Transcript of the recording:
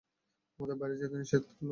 আমাদেরকে বাইরে যেতে নিষেধ করল।